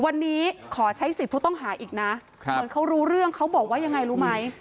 วันนี้ขอใช้สิทธิ์ผู้ต้องหาอีกนะเหมือนเขารู้เรื่องเขาบอกว่ายังไงรู้ไหม